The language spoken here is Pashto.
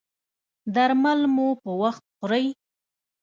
درمل مو په وخت خورئ؟